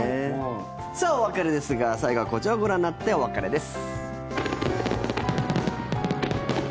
さあ、お別れですが最後はこちらをご覧になってお別れです。